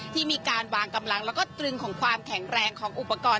ที่มีการวางกำลังแล้วก็ตรึงของความแข็งแรงของอุปกรณ์